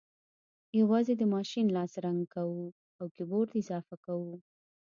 یوازې د ماشین لاس رنګ کوو او کیبورډ اضافه کوو